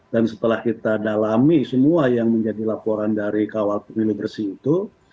dan setelah kita dalami semua yang menjadi laporan dari kawal pemilu bersih itu